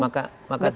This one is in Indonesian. maka dari itu